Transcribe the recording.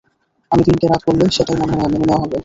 আমি দিনকে রাত বললে, সেটাই মেনে নেয়া হবে।